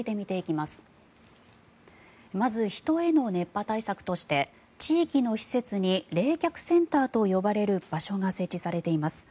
まず、人への熱波対策として地域の施設に冷却センターと呼ばれる場所が設置されています。